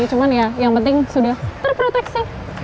cuman ya yang penting sudah terproteksi